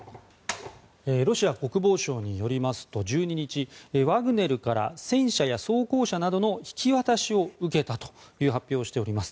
ロシア国防省によりますと１２日ワグネルから戦車や装甲車などの引き渡しを受けたと発表しております。